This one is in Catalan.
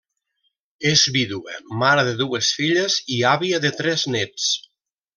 És vídua, mare de dues filles i àvia de tres néts.